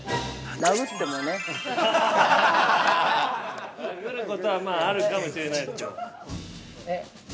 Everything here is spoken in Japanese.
◆殴ることは、まああるかもしれないですけど。